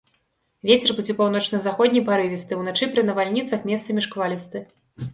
Вецер будзе паўночна-заходні парывісты, уначы пры навальніцах месцамі шквалісты.